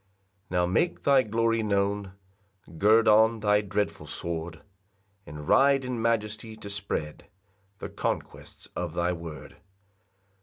2 Now make thy glory known, Gird on thy dreadful sword, And ride in majesty to spread The conquests of thy word.